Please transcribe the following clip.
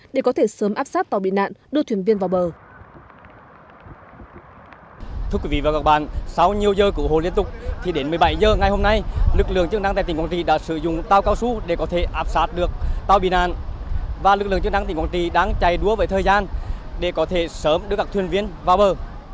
để có thể sớm áp sát tàu bị nạn đưa thuyền viên vào bờ